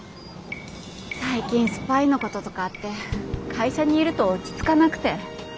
最近スパイのこととかあって会社にいると落ち着かなくて。